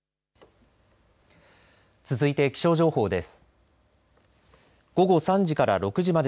続いて気象情報です。